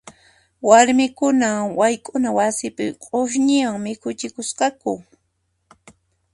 Warmikuna wayk'una wasipi q'usñiwan mikichikusqaku.